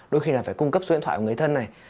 đôi khi là phải cung cấp số điện thoại của người thân này